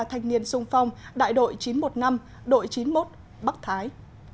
thanh niên sung phong đại đội chín trăm một mươi năm đội chín mươi một bắc thái